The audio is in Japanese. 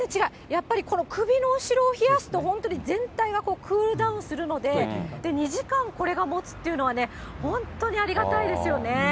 やっぱりこの首の後ろを冷やすと、本当に全体がクールダウンするので、２時間これが持つっていうのはね、本当にありがたいですよね。